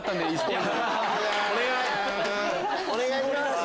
お願いします！